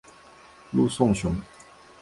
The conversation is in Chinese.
陆颂雄。